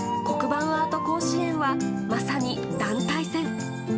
黒板アート甲子園は、まさに団体戦。